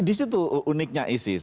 di situ uniknya isis